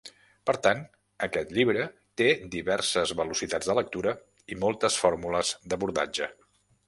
Per tant, aquest llibre té diverses velocitats de lectura i moltes fórmules d'abordatge.